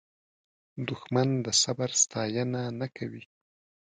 دښمن د صبر ستاینه نه کوي